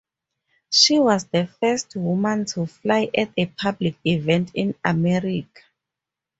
She was the first woman to fly at a public event in America.